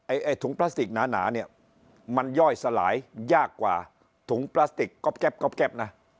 ไอ้ถุงพลาสติกหนาเนี่ยมันย่อยสลายยากกว่าถุงพลาสติกก๊อบแป๊บนะ